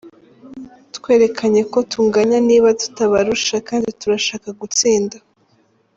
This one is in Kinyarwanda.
Twerekanye ko tunganya niba tutabarusha, kandi turashaka gutsinda.